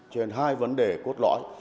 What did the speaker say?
trên hai vấn đề cốt lõi